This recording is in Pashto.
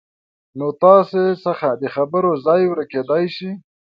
نو تاسې څخه د خبرو ځای ورکېدای شي